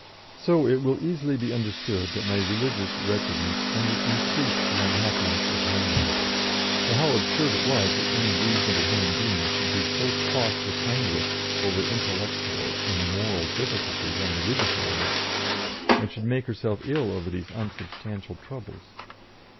So it will easily be understood that my religious wretchedness only increased the unhappiness of homelife, for how absurd it was that any reasonable human being should be so tossed with anguish over intellectual and moral difficulties on religious matters, and should make herself ill over these unsubstantial troubles.